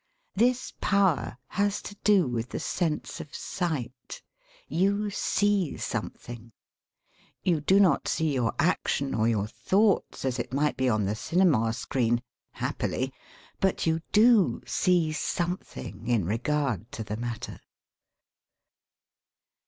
This power has to do with the sense of sight. You see something. You do not see your action or your thoughts as it might be on the cinema screen — ^happily! — ^but you do see aomethmg in regard to the matter.